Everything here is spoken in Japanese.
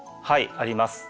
あります。